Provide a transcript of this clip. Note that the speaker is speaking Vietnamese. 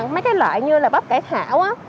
mấy cái loại như là bắp cải thảo